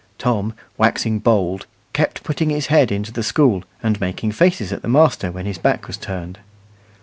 Tom, waxing bold, kept putting his head into the school and making faces at the master when his back was turned.